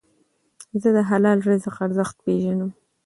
زه د حلال رزق ارزښت پېژنم.